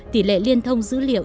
tỷ lệ liên thông dữ liệu